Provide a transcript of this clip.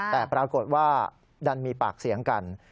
แต่ปรากฏว่าดันมีปากเสียงกัน